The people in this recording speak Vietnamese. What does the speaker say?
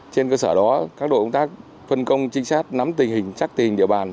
trên cơ sở đó các đội công tác phân công trinh sát nắm tình hình chắc tình hình địa bàn